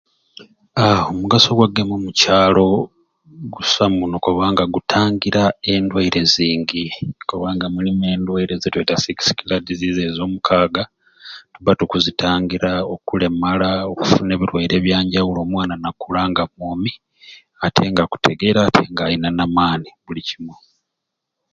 Haaa omugaso gwa kugema omukyalo gusai muno kubanga gutangira endwaire zingi kubanga mulimu endaire zetweta six killer diseases omukaaga tuba tuzitangira okulema okulemala okufuna ebireire ebyanjawulo omwana nakula nga mwomi ate nga akutegera ate nga alina namaani buli kimwei